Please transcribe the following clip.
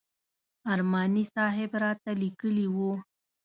ارماني صاحب راته لیکلي و.